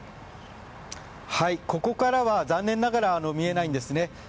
ここからは残念ながら見えないんですね。